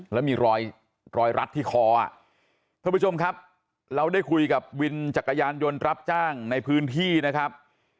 แล้วมีรอยรอยรัดที่คออ่ะท่านผู้ชมครับเราได้คุยกับวินจักรยานยนต์รับจ้างในพื้นที่นะครับ